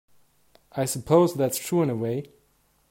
I suppose that's true in a way.